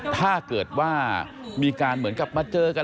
ถ้าเกิดว่ามีการเหมือนกับมาเจอกัน